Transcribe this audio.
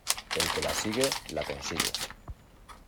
El que la sigue la consigue.